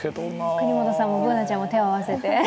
國本さんも、Ｂｏｏｎａちゃんも手を合わせて。